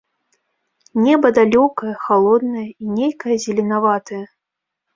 Неба далёкае, халоднае і нейкае зеленаватае.